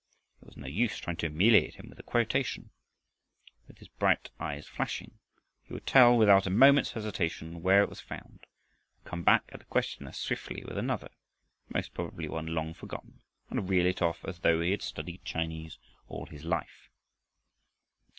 It was no use trying to humiliate him with a quotation. With his bright eyes flashing, he would tell, without a moment's hesitation, where it was found and come back at the questioner swiftly with another, most probably one long forgotten, and reel it off as though he had studied Chinese all his life.